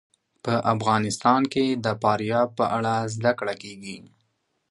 په افغانستان کې د فاریاب په اړه زده کړه کېږي.